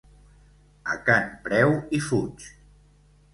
A can Preu-i-fuig.